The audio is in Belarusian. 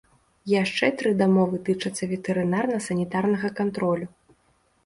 Яшчэ тры дамовы тычацца ветэрынарна-санітарнага кантролю.